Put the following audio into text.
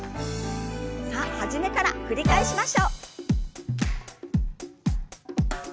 さあ初めから繰り返しましょう。